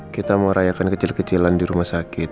kita mau rayakan kecil kecilan di rumah sakit